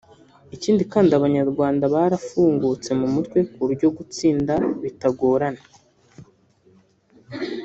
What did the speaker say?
ikindi kandi Abanyarwanda barafungutse mu mutwe ku buryo gutsinda bitagorana